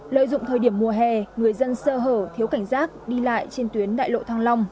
lợi dụng thời điểm mùa hè người dân sơ hở thiếu cảnh giác đi lại trên tuyến đại lộ thăng long